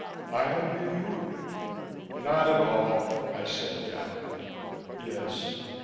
"I am being rude." "Not at all," I said gallantly. "Yes."